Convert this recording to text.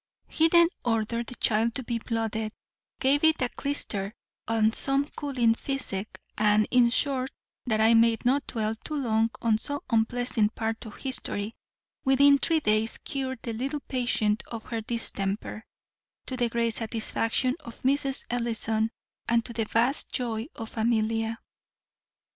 He then ordered the child to be blooded, gave it a clyster and some cooling physic, and, in short (that I may not dwell too long on so unpleasing a part of history), within three days cured the little patient of her distemper, to the great satisfaction of Mrs. Ellison, and to the vast joy of Amelia.